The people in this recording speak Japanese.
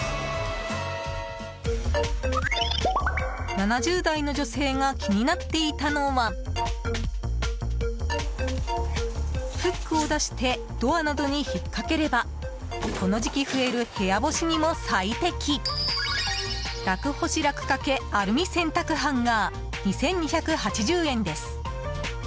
７０代の女性が気になっていたのはフックを出してドアなどに引っかければこの時期、増える部屋干しにも最適楽干し・楽カケアルミ洗濯ハンガー２２８０円です。